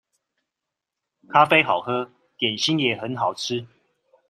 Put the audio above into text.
咖啡好喝，點心也很好吃